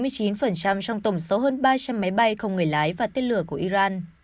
trong tổng số hơn ba trăm linh máy bay không người lái và tên lửa của iran